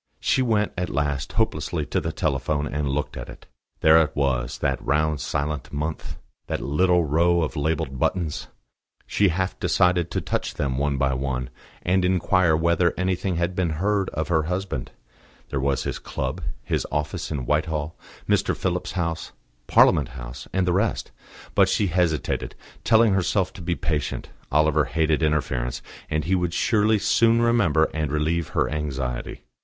She went at last, hopelessly, to the telephone, and looked at it. There it was, that round silent mouth, that little row of labelled buttons. She half decided to touch them one by one, and inquire whether anything had been heard of her husband: there was his club, his office in Whitehall, Mr. Phillips's house, Parliament house, and the rest. But she hesitated, telling herself to be patient. Oliver hated interference, and he would surely soon remember and relieve her anxiety.